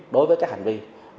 đối với các hành vi